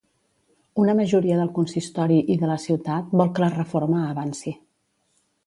Una majoria del consistori i de la ciutat vol que la reforma avanci.